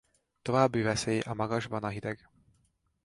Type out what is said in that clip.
További veszély a magasban a hideg.